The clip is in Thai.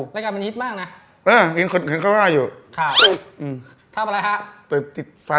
และคือการเลือกคติธรรมทุกษา